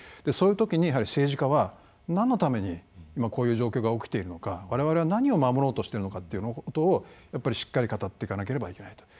そういうときに政治家はなんのために今こういう状況が起きているのか何を守ろうとしているのかしっかり語っていかなければいけない。